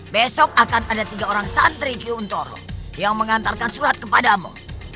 besok akan ada tiga orang santri quntoro yang mengantarkan surat kepadamu